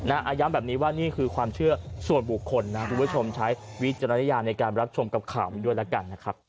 ย้ำแบบนี้ว่านี่คือความเชื่อส่วนบุคคลนะคุณผู้ชมใช้วิจารณญาณในการรับชมกับข่าวนี้ด้วยแล้วกันนะครับ